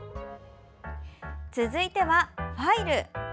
続いては、ファイル。